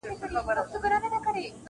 مزه اخلي هم له سپکو هم ښکنځلو -